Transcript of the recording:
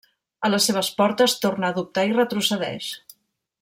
A les seves portes, torna a dubtar i retrocedeix.